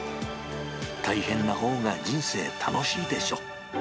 大変なほうが人生楽しいでしょ。